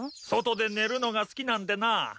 外で寝るのが好きなんでな。